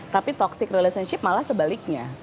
tapi toxic relationship malah sebaliknya